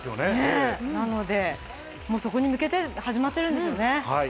なのでそこに向けて始まってるんですよね。